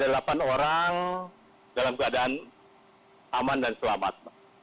jadi kita harus berhati hati dalam keadaan aman dan selamat